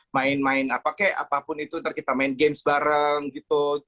main main apapun itu nanti kita main game bareng gitu